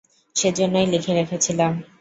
সেজন্যই লিখে রেখেছিলাম।